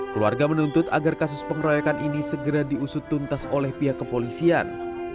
keluarga menuntut agar kasus pengeroyokan ini segera diusut tuntas oleh pihak kepolisian